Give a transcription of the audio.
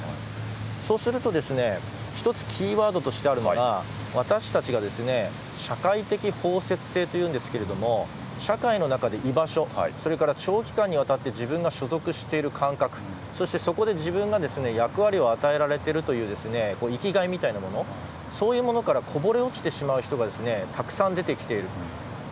そうすると一つキーワードとしてあるのが私たちが社会的包摂性というんですが社会の中で、居場所それから長期間にわたって自分が所属している管轄そこで自分が役割を与えられているという生きがいみたいなものからこぼれ落ちてしまう人がたくさん出てきているんです。